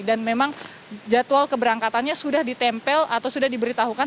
dan memang jadwal keberangkatannya sudah ditempel atau sudah diberitahukan